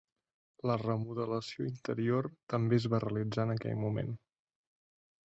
La remodelació interior també es va realitzar en aquell moment.